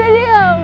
ya udah diam